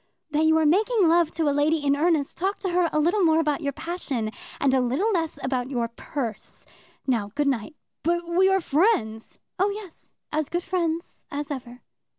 "That you are making love to a lady in earnest, talk to her a little more about your passion and a little less about your purse. Now, good night." "But we are friends." "Oh yes; as good friends as ever."